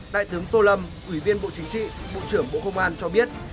đại tướng tô lâm ủy viên bộ chính trị bộ trưởng bộ công an cho biết